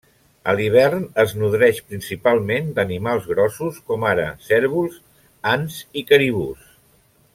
A l'hivern es nodreix principalment d'animals grossos, com ara cérvols, ants i caribús.